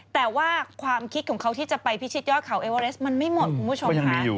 แต่ว่าความคิดของเขาที่จะไปพิชิตยอดเขาเอเวอเรสมันไม่หมดคุณผู้ชมค่ะ